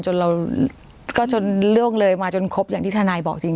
เราก็จนเรื่องเลยมาจนครบอย่างที่ทนายบอกจริง